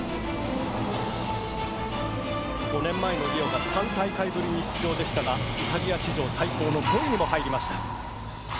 ５年前のリオが３大会ぶりに出場でしたが、イタリア史上最高の４位に入りました。